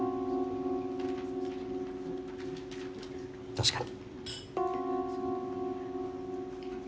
確かに。